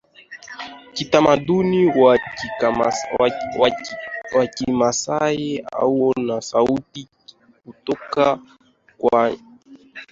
kitamaduni wa Kimasai huwa na sauti kutoka kwaya ya waimbaji huku kiongozi wa nyimbo